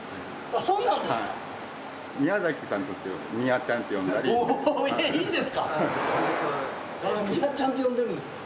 あみやちゃんって呼んでるんですね。